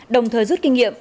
đồng thời rút kinh nghiệm